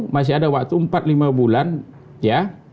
masih ada waktu empat lima bulan ya